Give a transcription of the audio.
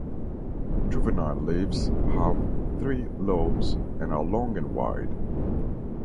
Juvenile leaves have three lobes and are long and wide.